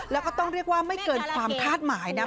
แล้วก็ต้องเรียกว่าไม่เกินความคาดหมายนะ